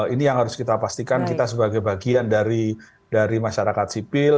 ini yang harus kita pastikan kita sebagai bagian dari masyarakat sipil